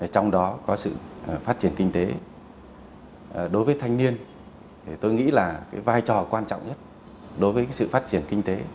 trong đó có sự phát triển kinh tế đối với thanh niên tôi nghĩ là vai trò quan trọng nhất đối với sự phát triển kinh tế